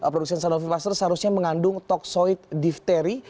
produsen sanofi pasteur seharusnya mengandung toksoid diphteri